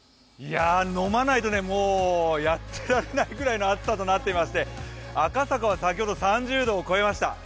飲まないとやってられないぐらいの暑さとなっていまして赤坂は先ほど３０度を超えました。